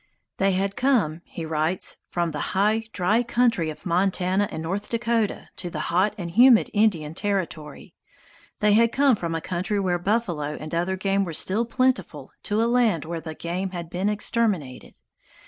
"They had come," he writes, "from the high, dry country of Montana and North Dakota to the hot and humid Indian Territory. They had come from a country where buffalo and other game were still plentiful to a land where the game had been exterminated.